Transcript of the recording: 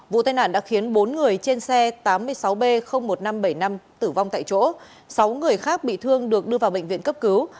vụ tai nạn đã khiến bốn người trên xe tám mươi sáu b một nghìn năm trăm bảy mươi năm tử vong tại chỗ sáu người khác bị thương được đưa vào bệnh viện cấp cứu